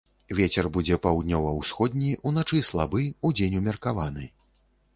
Вецер будзе паўднёва-ўсходні, уначы слабы, удзень умеркаваны.